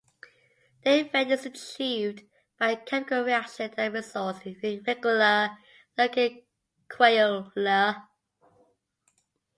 The effect is achieved by a chemical reaction that results in regular-looking craquelure.